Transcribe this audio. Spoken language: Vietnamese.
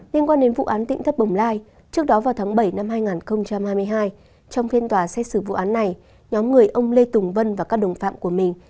liên quan đến vụ án tỉnh thất bồng lai trước đó vào tháng bảy năm hai nghìn hai mươi hai trong phiên tòa xét xử vụ án này nhóm người ông lê tùng vân và các đồng phạm của mình